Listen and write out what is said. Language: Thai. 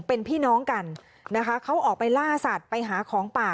เป็นพี่น้องกันนะคะเขาออกไปล่าสัตว์ไปหาของป่า